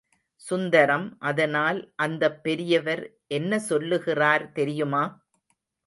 சுந்தரம் அதனால் அந்தப் பெரியவர் என்ன சொல்லுகிறார் தெரியுமா?